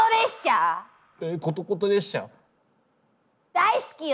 大好きよ！